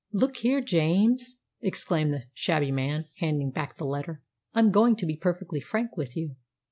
"Look here, James," exclaimed the shabby man, handing back the letter, "I'm going to be perfectly frank with you.